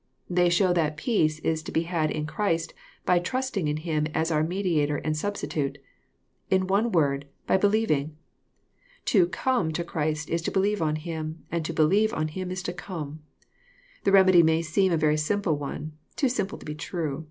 They show that peace is to be had in Christ by trusting in Him as our mediator and substitute, — in one word, by be lieving. To ".come to Christ is to believe on Him, and to " believe '* on Him is to come. The remedy may seem a very simple one, too simple to be true.